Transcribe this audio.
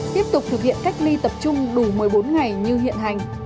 tiếp tục thực hiện cách ly tập trung đủ một mươi bốn ngày như hiện hành